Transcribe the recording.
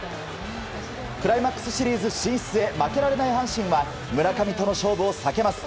クライマックスシリーズ進出へ負けられない阪神は村上との勝負を避けます。